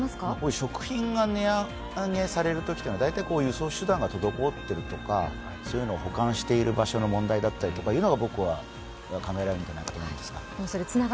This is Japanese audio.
食品が値上げされるときというのは輸送手段が滞っているとかそういうのを保管している場所の問題だったりというのが僕は考えられると思いますが。